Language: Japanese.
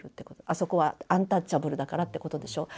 あそこはアンタッチャブルだからってことでしょう。